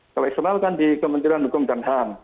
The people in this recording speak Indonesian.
kalau eksternal kan di kementerian hukum dan ham